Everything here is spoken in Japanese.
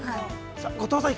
◆後藤さん